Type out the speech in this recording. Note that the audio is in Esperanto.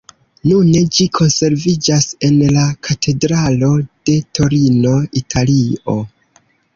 Nune ĝi konserviĝas en la katedralo de Torino, Italio.